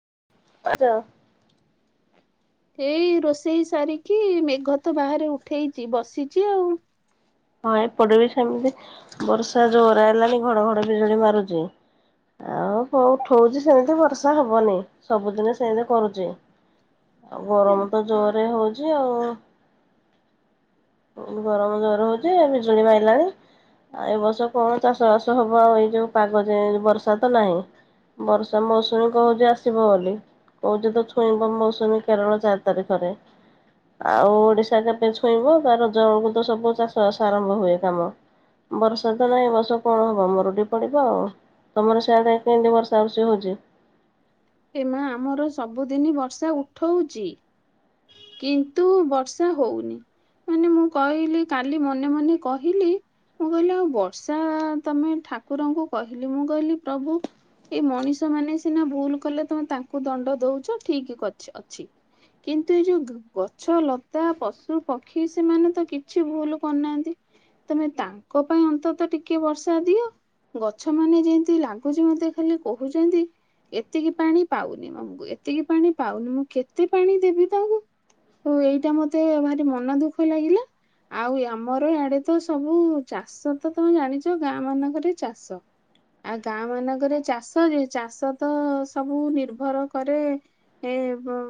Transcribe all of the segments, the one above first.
[unintelligible] ଏଇ ରୋଷେଇ ସାରିକି ମେଘ ତ ବାହାରେ ଉଠେଇଛି ବସିଛି ଆଉ। ହଁ ଏପଟେ ବି ସେମିତି ବର୍ଷା ଜୋର ହେଲାଣି ଘଡଘଡ ବିଜୁଳି ମାରୁଛି। ଆଉ କଉ ଉଠଉଛି ସେମିତି ବର୍ଷା ହବନି ସବୁଦିନ ସେମିତି କରୁଛି। ଆଉ ଗରମ ତ ଏମା ଜୋରରେ ହଉଛି ଆଉ। ଗରମ ଜୋର ହଉଛି ବିଜୁଳି ମାଇଲାଣି ଆଉ ଏ ବର୍ଷ କଣ ଚାଷ ବାସ ହବ ଆଉ ଏଇ ଯୋଉ ପାଗ ଯେ ବର୍ଷା ତ ନାହିଁ ବର୍ଷା ମୌସୁମୀ କହୁଛି ଆସିବ ବୋଲି। ପ କହୁଛି ତ ଛୁଇଁବ ମୌସୁମୀ କେରଳ ଚାରି ତାରିଖରେ ଆଉ ଓଡିଶା କେବେ ଛୁଇଁବ ରଜ ବେଳକୁ ତ ସବୁ ଚାଷ ବାସ ଆରମ୍ଭ ହୁଏ କାମ। ବର୍ଷା ତ ନାହିଁ ଏ ବର୍ଷ କଣ ହବ ମରୁଡି ପଡିବ ଆଉ। ତମର ସେଆଡେ କେମିତି ବର୍ଷା ବର୍ଷି ହଉଛି? ଏ ମା ଆମର ସବୁଦିନ ବର୍ଷା ଉଠଉଛି। କିନ୍ତୁ ବର୍ଷା ହଉନି ମାନେ ମୁଁ କହିଲି କାଲି ମନେ ମନେ କହିଲି ମୁଁ କହିଲି ଆଉ ବର୍ଷା ତମେ ଠାକୁରଙ୍କୁ କହିଲି ମୁଁ କହିଲି ପ୍ରଭୁ ଏ ମଣିଷ ମାନେ ସିନା ଭୁଲ କଲେ ତମେ ତାଙ୍କୁ ଦଣ୍ଡ ଦଉଛ ଠିକ ଅଛି। କିନ୍ତୁ ଏ ଯୋଉ ଗଛ ଲତା ପଶୁ ପକ୍ଷୀ ସେମାନେ ତ କିଛି ଭୁଲ କରୁନାହାନ୍ତି ତମେ ତାଙ୍କ ପାଇଁ ଅନ୍ତତଃ ଟିକେ ବର୍ଷା ଦିଅ। ଗଛ ମାନେ ଯେମିତି ଲାଗୁଛି ମତେ ଖାଲି କହୁଛନ୍ତି ଏତିକି ପାଣି ପାଉନି ଆମକୁ ଏତିକି ପାଣି ପାଉନି ମୁଁ କେତେ ପାଣି ଦେବି ତାଙ୍କୁ ।ଏଇଟା ମତେ ଭାରି ମନ ଦୁଃଖ ଲାଗିଲା ଆଉ ଆମର ଆଡେ ତ ସବୁ ଚାଷ ତ ତମେ ଜାଣିଛ ଗାଁ ମାନଙ୍କରେ ଚାଷ। ଆ ଗାଁ ମାନଙ୍କରେ ଚାଷ ଯେ ଚାଷ ତ ସବୁ ନିର୍ଭର କରେ ଏ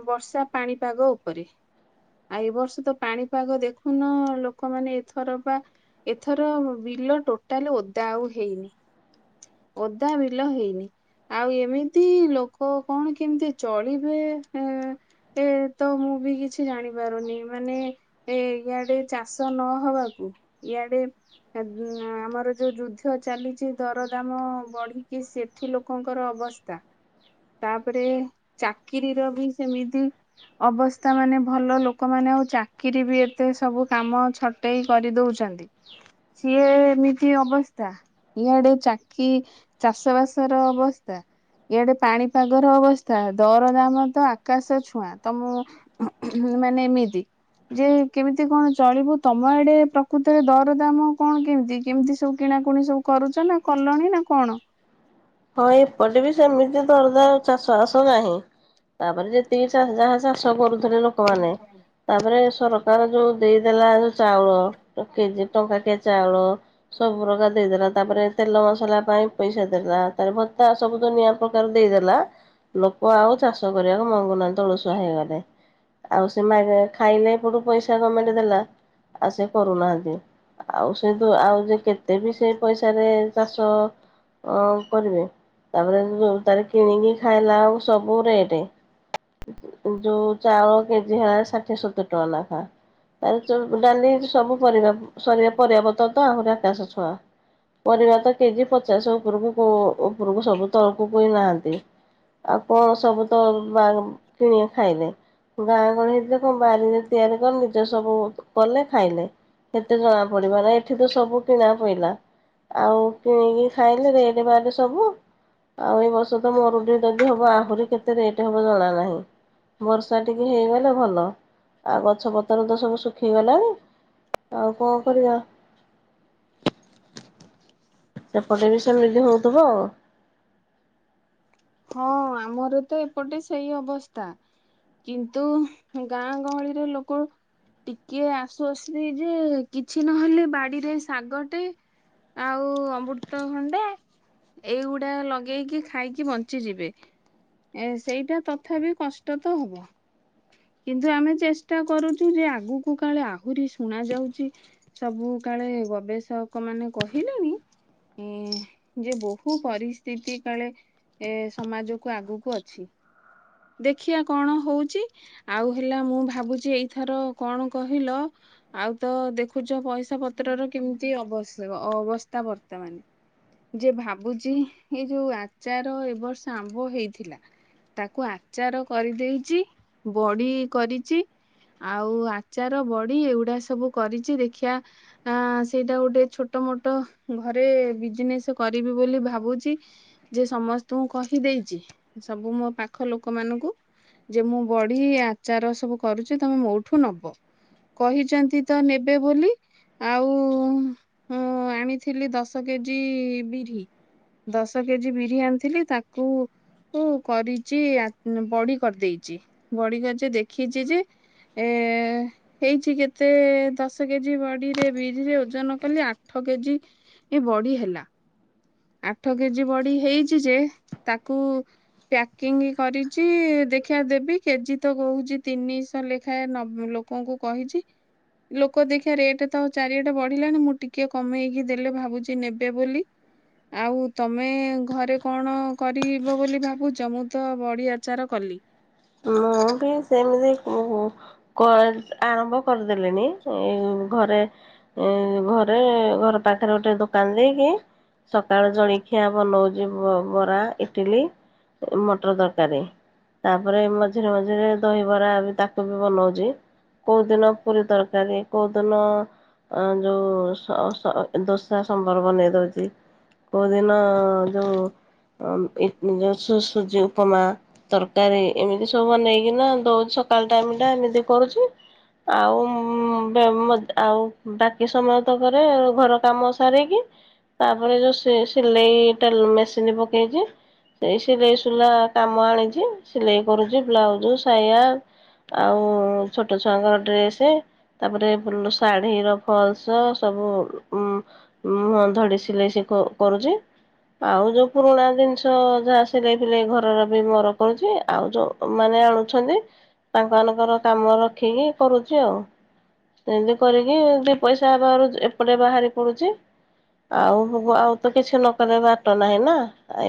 ବର୍ଷା ପାଣିପାଗ ଉପରେ। ଆଉ ଏ ବର୍ଷ ତ ପାଣିପାଗ ଦେଖୁନ ଲୋକମାନେ ଏଥର ବା ଏଥର ବିଲ ଟୋଟାଲ ଓଦା ହେଇନି ଓଦା ବିଲ ହେଇନି ।ଆଉ ଏମିତି ପ୍ରତି ଲୋକ କଣ କେମିତି ଚଳିବେ ଏ ତ ମୁଁ ବି କିଛି ଜାଣିପାରୁନି। ମାନେ ଏ ଇଆଡେ ଚାଷ ନହବାକୁ ଇଆଡେ ଆମର ଯୋଉ ଯୁଦ୍ଧ ଚାଲିଛି ଦରଦାମ ବଢ଼ିକି ସେଠି ଲୋକଙ୍କର ଅବସ୍ତା ତାପରେ ଚାକିରି ର ବି ସେମିତି ଅବସ୍ଥା ମାନେ ଭଲ ଲୋକମାନେ ଆଉ ଚାକିରି ବି ଏତେ ସବୁ କାମ ଛଟେଇ କରିଦଉଛନ୍ତି ସିଏ ଏମିତି ଅବସ୍ଥା ଇଆଡେ ଚାକି ଚାଷ ବାସର ଅବସ୍ଥା ଇଆଡେ ପାଣିପାଗର ଅବସ୍ଥା। ଦରଦାମ ତ ଆକାଶ ଛୁଆଁ। ତ ମୁଁ ତମ ମାନେ ଏମିତି ଯେ କେମିତି କଣ ଚଳିବୁ ତମ ଏଡେ ପ୍ରକୃତରେ ଦରଦାମ କଣ କେମିତି କେମିତି ସବୁ କିଣାକୁଣି ସବୁ କରୁଛ ନା କଲଣି ନା କଣ? ହଁ ଏପଟେ ବି ସେମିତି ଦ ଚାଷବାସ ନାହିଁ। ତାପରେ ଯେତିକି ଚା ଯାହା ଚାଷ କରୁ ଲୋକମାନେ ତାପରେ ସର ତର ଯଉ ଦେଇଦେଲା ଯଉ ଚାଉଳ। କେଜି ଟଙ୍କାକିଆ ଚାଉଳ ସବୁ ପ୍ରକାର ଦେଇଦେଲା ତାପରେ ତେଲ ମସଲା ପାଇଁ ପଇସା ଦେଲା ତାରେ ଭତ୍ତା ସବୁ ଦୁନିଆଁ ପ୍ରକାର ଦେଇଦେଲା। ଲୋକ ଆଉ ଚାଷ କରିବାକୁ ମଙ୍ଗୁନାହାଁନ୍ତି ଅଳସୁଆ ହେଇଗଲେ। ଆଉ ସେ ଖାଇଲେ ଏପଟୁ ପଇସା ଗମେଣ୍ଟ ଦେଲା ଆଉ ସେ କରୁନାହାଁନ୍ତି। ଆଉ ସେ ତୁ ଆଉ କେତେ ବି ସେ ପଇସାରେ ଚାଷ କରିବେ ତାପରେ ତାର କିଣିକି ଖାଇଲା ଆଉ ସବୁ ରେଟ ଯୋଉ ଚାଉଳ କେଜି ହେଲା ଷାଠିଏ ସତୁରି ଟଙ୍କା ନାଖା। ତା ପରେ ଡାଲି ସବୁ ପରିବା ସ ପରିବା ପତ୍ର ତ ଆହୁରି ଆକାଶ ଛୁଆଁ ।ପରିବା ତ କେଜି ପଚାଶ ଉପରକୁ କୋଉ ଉପରକୁ ସବୁ ତଳକୁ କୋଉ ନାହାନ୍ତି। ଆଉ କଣ ସବୁ ତ ଅନଲାଇନ କିଣି ଖାଇଲେ। ଗାଁ ଗହଳି ହେଇଥିଲେ ସବୁ ବାରିରେ ତିଆରି କଲେ ନିଜେ ସବୁ କଲେ ଖାଇଲେ। ଏତେ ଜଣା ପଡିବ ନା ଏଠି ତ ସବୁ କିଣା ପଇଲା ଆଉ କିଣିକି ଖାଇଲେ ରେଟ ବାଟ୍ ସବୁ। ଆଉ ଏଇ ବର୍ଷ ତ ମରୁଡି ଯଦି ହବ ଆହୁରି କେତେ ରେଟ ହବ ଜଣା ନାହିଁ। ବର୍ଷା ଟିକେ ହେଇଗଲେ ଭଲ। ଆଉ ଗଛ ପତ୍ର ତ ସବୁ ଶୁଖିଗଲାଣି ଆଉ କଣ କରିବା। ସେପଟେ ବି ସେମିତି ହଉଥିବ ଆଉ। ହଁ ଆମର ତ ଏପଟେ ସେଇ ଅବସ୍ଥା। କିନ୍ତୁ ଗାଁ ଗହଳିର ଲୋକ ଟିକେ ଆସୁ [unintelligible] ଯେ କିଛି ନହେଲେ ବାଡିରେ ଶାଗଟେ ଆଉ ଅମୃତଭଣ୍ଡା ଏଇଗୁଡା ଲଗେଇକି ଖାଇକି ବଞ୍ଚ ଯିବେ ଏ ସେଇଟା ତଥାପି କଷ୍ଟ ତ ହବ କିନ୍ତୁ ଆମେ ଚେଷ୍ଟା କରୁଛୁ ଯେ ଆଗକୁ କାଳେ ଆହୁରି ଶୁଣା ଯାଉଛି ସବୁ କାଳେ ଗବେଷକ ମାନେ କହିଲେଣି ଏ ଯେ ବହୁ ପରିସ୍ଥିତି କାଳେ ଏ ସମାଜକୁ ଆଗକୁ ଅଛି ଦେଖିବା କଣ ହଉଛି ଆଉ ହେଲା ମୁଁ ଭାବୁଛି ଏଇଥର କଣ କହିଲ ଆଉ ତ ଦେଖୁଛ ପଇସା ପତ୍ରର କେମିତି ଅବ ଅବସ୍ଥା ବର୍ତ୍ତମାନେ ଯେ ଭାବୁଛି ଏଇ ଯୋଉ ଆଚାର। ଏବ ବର୍ଷ ଆମ୍ବ ହେଇଥିଲା ତାକୁ ଆଚାର କରିଦେଇଛି ବଡି କରିଛି ଆଉ ଆଚାର ବଡି ଏଗୁଡା ସବୁ କରିଛି ଦେଖିବା ସେଇଟା ଗୋଟେ ଛୋଟ ମୋଟ ଘରେ ବିଜନେସ କରିବି ବୋଲି ଭାବୁଛି ଯେ ସମ କହିଦେଇଛି ସବୁ ମୋ ପାଖ ଲୋକମାନାନଙ୍କୁ ଯେ ମୁଁ ବଢି ଆଚାର ସବୁ କରୁଛି ତମେ ମୋଠୁ ନବ କହିଛନ୍ତି ତ ନେବେ ବୋଲି ଆଉ ଆଣିଥିଲି ଦଶ କେଜି ବିରି ଦଶ କେଜି ବିରି ଆ ଥିଲି ତାକୁ କରିଛି ବଡି କରିଦେଇଛି ବଡି କରିଛି ଦେଖିଛି ଯେ ଏ ହେଇଛି କେତେ ଦଶ କେଜି ବଡିରେ ବିରିରେ ଓଜନ କଲି ଆଠ କେଜି ବଡି ହେଲା। ଆଠ କେଜି ବଢି ହେଇଛି ଯେ ତାକୁ ପ୍ୟାକିଙ୍ଗ କରିଛି ଦେଖିିବା ଦେବି କେଜି ତ କହୁଛି ତିନିଶହ ଲେଖାଏ ଲୋକଙ୍କୁ କହିଛି ଲୋକ ଦେଖି ରେଟ ତ ଚାରିଆଟା ବଢିଲାଣି ମୁଁ ଟିକେ କମେଇକି ଦେଲେ ଭାବୁଛି ନେବେ ବୋଲି। ଆଉ ତମେ ଘରେ କଣ କରିବ ବୋଲି ଭାବୁଛ ମୁଁ ତ ବଡି ଆଚାର କଲି। ମୁଁ ବି ସେମିତି ଆରମ୍ଭ କରିଦେଲିଣିି ଘରେ ଘରେ ଘର ପାଖରେ ଗୋଟେ ଦୋକାନ ଦେଇକି ସକାଳ ଜଳଖିଆ ବନଉଛି ବରା ଇଟିଲି ମଟର ଦରକାରୀ ତାପ। ତାପରେ ମଝିରେ ମଝିରେ ଦହିବରା ବି ତାକୁ ବି ବନାଉଛି କୋଉଦିନ ପୁରୀ ତରକାରୀ କୋଉଦିନ ଯେଉଁ ସ ସଦୋସା ସମ୍ବର ବନେଇ ଦେଉଛି କେଉଁଦିନ ଯେଉଁ ଯେଉଁ ସୁ ସୁଜି ଉପମା ତରକାରୀ। ଏମିତି ସବୁ ବନେଇକିନା ଦଉଛି ସକାଳ ଟାଇମ ଟା ଏମିତି କରୁଛି ଆଉ ଆଉ ବାକି ସମୟ ତକରେ ଘର କାମ ସାରିକି ତାପରେ ଯୋଉ ସିଲେଇ ମେସିନ ପକେଇଛି ସେଇ ସିଲେଇ ସୁଲା କାମ ଆଣିଛି। ସିଲେଇ କରୁଛି ବ୍ଲାଉଜ, ସାୟା, ଆଉ ଛୋଟ ଛୁଆଙ୍କର ଡ୍ରେସ, ତାପରେ ଶାଢ଼ୀର ଫଲସ ସବୁ ଉଁ ଉଁ ଧଡ଼ି ସିଲେଇ କରୁଛି ଆଉ ଯୋଉ ପୁରୁଣା ଜିନିଷ ଯାହା ସିଲେଇ ପି ଆଉ ଯୋଉ ମାନେ ଆଣୁଛନ୍ତି ତାଙ୍କମାନଙ୍କର କାମ ରଖିକି କରୁଛି ଆଉ ।ସେମିତି କରିକି ଦି ପଇସା ହେବ ର ଏପଟେ ବାହାରି ପଡୁଛି ଆଉ ଆଉ ତ କିଛି ନକ ବାଟ ନାହିଁ ନା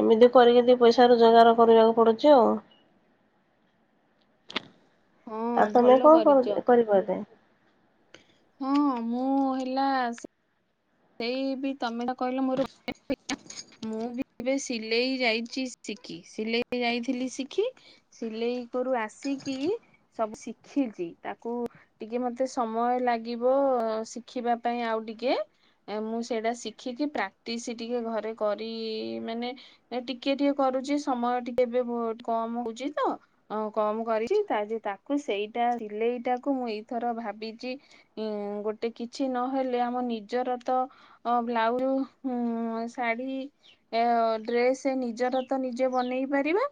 ଏମିତି କରିକି ଦିଇ ପଇସା ରୋଜଗାର କରିବାକୁ ପଡୁଛି ଆଉ। ହଁ ଆଉ ତମେ ଭଲ କଣ କରିଛ କର କରିପାରିବେ? ହଁ ମୁଁ ହେଲା ସେଇ ବି ତମେ କହିଲ ମୋର ମୁଁ ବି ଏବେ ସିଲେଇ ଯାଇଛି ଶିଖି ସିଲେଇ ଯାଇଥିଲି ଶିଖି ସିଲେଇ କରୁ ଆସିକି ସବୁ ଶିଖିଛି ତାକୁ ଟିକେ ମତେ ସମୟ ଲାଗିବ ଶିଖିବା ପାଇଁ ଆଉ ଟିକେ। ମୁଁ ସେଇଟା ଶିଖିକି ପ୍ରାକ୍ଟିସ ଟିକେ ଘରେ କରି ମାନେ ଟିକେ ଟିକେ କରୁଛି ସମୟ ଟିକେ ଏବେ କମ ହଉଛି ତ କମ କର ତାକୁ ସେଇଟା ସିଲେଇଟାକୁ ମୁଁ ଏଇଥର ଭାବିଛି ଗୋଟେ କିଛି ନହେଲେ ଆମ ନିଜର ତ ବ୍ଲାଉଜ, ଶାଢୀ, ଡ୍ରେସ ନିଜର ତ ନିଜେ ବନେଇ ପାରିବା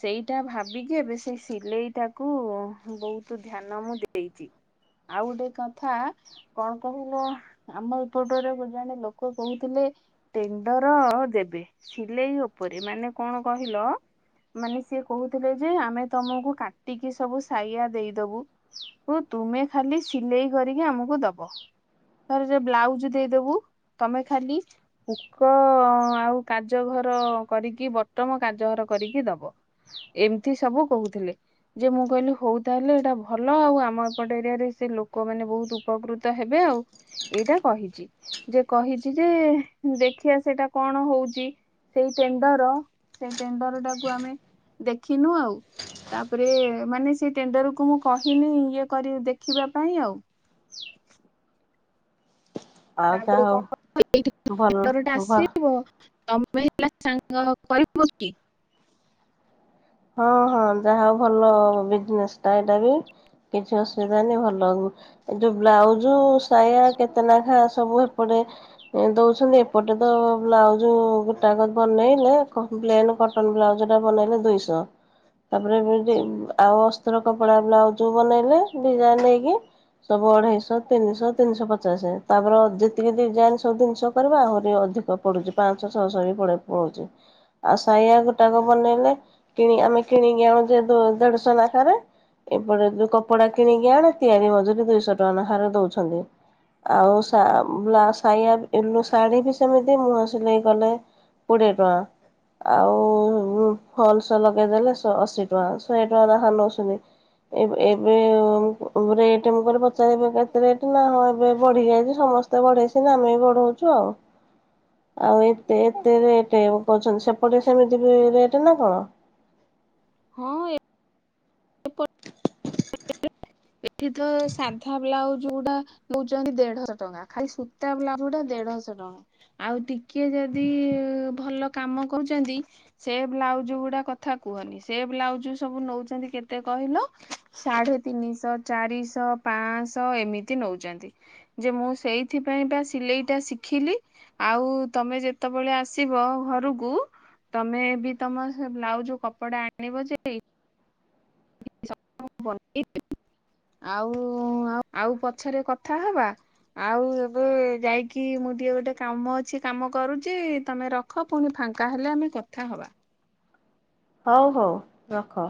।ସେଇଟା ଭାବିକି ଏବେ ସେଇ ସିଲେଇ ଟାକୁ ବହୁତ ଧ୍ୟାନ ମୁଁ ଦେଇଛି। ଆଉ ଗୋଟେ କଥା କଣ କହିବ ଆମ ଜଣେ ଲୋକ କହୁଥିଲେ ଟେଣ୍ଡର ଦେବେ ସିଲେଇ ଉପରେ ମାନେ କଣ କହିଲ ମାନେ ସି କହୁଥିଲେ ଯେ ଆମେ ତମକୁ କାଟିକି ସବୁ ସାଇଆ ଦେଇଦବୁ ତୁମେ ଖାଲି ସିଲେଇ କରିକି ଆମକୁ ଦବ। ତାପରେ ତ ବ୍ଲାଉଜ୍ ଦେଇଦବୁ ତମେ ଖାଲି ହୁକ ଆଉ କାଜ ଘର କରିକି ବଟମ କାଜ ଘର କରିକି ଦବ ଏମିତି ସବୁ କହୁଥିଲେ। ଯେ ମୁଁ କହିଲି ହଉ ତାହେଲେ ଏଇଟା ଭଲ ଆଉ ଆମ ଏପଟ ଏରିଆରେ ସେ ଲୋକମାନେ ବହୁତ ଉପକୃତ ହେବେ। ଆଉ ଏଇଟା କହିଛି ଯେ କହିଛି ଯେ ଦେଖିବା ସେଇଟା କଣ ହଉଛି ସେଇ ଟେଣ୍ଡର ସେଇ ଟେଣ୍ଡର ଟାକୁ ଆମେ ଦେଖିନୁ ଆଉ ତାପରେ ମାନେ ସେଇ ଟେଣ୍ଡର କୁ ମୁଁ କହିନି ଇଏ କରି ଦେଖିବା ପାଇଁ ଆଉ। ଆଉ ତାପରେ ଯାହା ହଉ ଭଲ କଣ ହଁ ଆସିବ? ତମେ ହେଲା ସାଙ୍ଗ କରିବ କି? ହଁ ହଁ ଯାହା ହଉ ଭଲ ବିଜନେସ ଟା ଏଇଟା ବି କିଛି ଅସୁବିଧାନି ଭଲ। ଏ ଯୋଉ ବ୍ଲାଉଜ ସାୟା କେତେନାଖା ସବୁ ଏପଟେ ଦଉଛନ୍ତି ଏପଟେ ତ ବ୍ଲାଉଜ ଗୋଟା ବନେଇଲେ ପ୍ଲେନ କଟନ ବ୍ଲାଉଜ ଟା ବନେଇଲେ ଦୁଇଶହ। ତାପରେ ଆଉ ଅସ୍ତ୍ର କପଡା ବ୍ଲାଉଜ ବନେଇଲେ ଡିଜାଇନ ନେଇକି ସବୁ ଅଢେଇଶହ ତିନିଶହ ତିନିଶହ ପଚାଶ ତାପରେ ଯେତିକି ଡିଜାଇନ ସବୁ ତିନିଶହ କରିବା ଆହୁରି ଅଧିକ ପଡୁଛି ପାଞ୍ଚଶହ ଛଅଶହ ବି ପଡଉଛି ଆଉ ସାଇଆ ଗୋଟାକ ବନେଇଲେ କି ଆମେ କିଣିକି ଆଣୁ ଯେ ଦେଢଶହ ନାଖାରେ ଏପଟ ଯୋଉ କପଡା କିଣିକି ଆଣେ ତିଆରି ମଜୁରି ଦୁଇଶହ ଟଙ୍କା ନଖାରେ ଦଉଛନ୍ତି ।ଆଉ ସାୟା ବ୍ଲା ଶାଢ଼ୀ ବି ସେମିତି ମୁହ ସିଲେଇ କଲେ କୋଡିଏ ଟଙ୍କା ।ଆଉ ଫଲ୍ସ୍ ଶହ ଲଗେଇଦେଲେ ଶହ ଅଶୀ ଟଙ୍କା ଶହେ ଟଙ୍କା ନା ନଉଛନ୍ତି। ଏ ଏବେ ରେଟ୍ ମୁଁ କ ପଚାରବ କେତେ ରେଟ ନା ହଁ ଏବେ ବଢି ଯାଇଛି ସମସ୍ତେ ବଢେଇସି ଆମେ ବି ବଢଉଛୁ ଆଉ ।ଆଉ ଏତେ ଏତେ ରେଟ୍ଛନ୍ତି ସେପଟେ ସେମିତି ବି ରେଟ ନା କଣ? ହଁ, ଏପ ଏଠି ତ ସାଧା ବ୍ଲାଉଜ ଯୋଉଟା ନଉଛନ୍ତି ଦେଢଶହ ଟଙ୍କା। ଖାଲି ସୂତା ବ୍ଲାଉଜଟା ଦେଢଶହ ଟଙ୍କା ଆଉ ଟିକେ ଯଦି ଭଲ କାମ କରୁଛନ୍ତି ସେ ବ୍ଲାଉଜ ଗୁଡା କଥା କୁହନି ସେ ବ୍ଲାଉଜ ସବୁ ନଉଛନ୍ତି କେତେ କହିଲ? ସାଢେ ତିନିଶହ, ଚାରିଶହ, ପାଞ୍ଚଶହ, ଏମିତି ନଉଛନ୍ତି ଯେ ମୁଁ ସେଇଥିପାଇଁ ବା ସିଲେଇଟା ଶିଖିଲି ଆଉ ତମେ ଯେତେବେଳେ ଆସିବ ଘରକୁ ତମେ ବି ତମ ବ୍ଲାଉଜ କପଡା ଆଣିବ ଯେ [unintelligible] ଆଉ ଆଉ ପଛରେ କଥା ହବା ଆଉ ଏବେ ଯାଇକି ମୁଁ ଟିକେ ଗୋଟେ କାମ ଅଛି କାମ କରୁଛି ତମେ ରଖ ପୁଣି ଫାଙ୍କା ହେଲେ ଆମେ କଥା ହବା। ହଉ ହଉ ରଖ।